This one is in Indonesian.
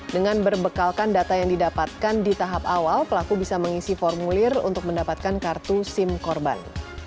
dengan berbekalkan data yang didapatkan di tahap awal pelaku bisa mengisi formulir untuk mendapatkan kartu sim korban